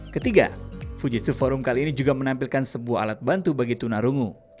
ketiga fujitsu forum kali ini juga menampilkan sebuah alat bantu bagi tunarungu